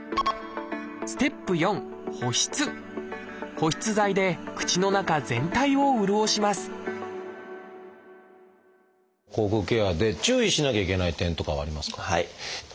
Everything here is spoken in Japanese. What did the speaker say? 保湿剤で口の中全体を潤します口腔ケアで注意しなきゃいけない点とかはありますか？